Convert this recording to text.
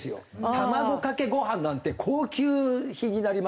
卵かけご飯なんて高級品になりますよ。